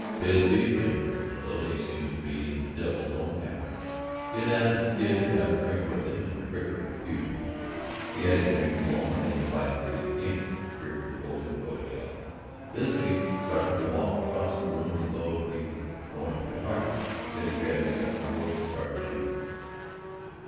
"Bisbee had been drinking a little. He seemed to be in the devil's own temper. He had asked the Kid to have a drink with him, and Rickard refused. He had his drink alone and then invited the Kid again. Rickard told him to go to hell. Bisbee started to walk across the room as though he was going to the card room. Then he grabbed his gun and whirled and started shooting."